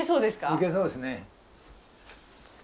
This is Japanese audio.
いけそうですね。